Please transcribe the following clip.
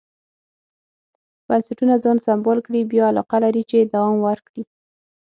بنسټونه ځان سمبال کړي بیا علاقه لري چې دوام ورکړي.